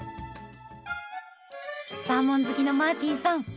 サーモン好きのマーティンさん